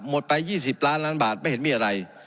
ไป๒๐ล้านล้านบาทไม่เห็นมีอะไร